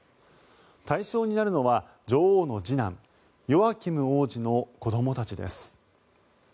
対象になるのは、女王の次男ヨアキム王子の子どもたちです。